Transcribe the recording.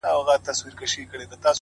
ورښودلي خپل استاد وه څو شعرونه٫